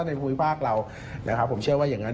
ภูมิภาคเรานะครับผมเชื่อว่าอย่างงั้น